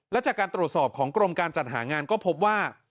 และจากการตรวจสอบของกรมการจัดหางานก็พบว่า